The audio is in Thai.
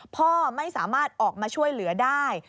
พ่อไม่สามารถออกมาช่วยเหลือได้